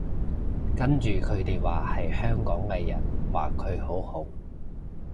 跟住佢哋話係香港藝人，話佢好紅